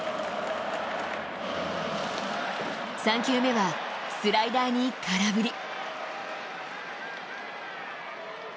３球目はスライダーに空振り。